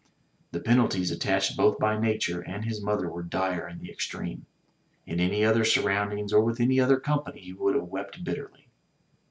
The penalties attached both by nature, and his mother were dire in the extreme. In any other surroundings or with any other company he would have wept bitterly.